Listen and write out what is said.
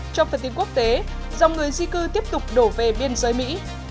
trong phần tin quốc tế dòng người di cư tiếp tục đổ về biên giới mỹ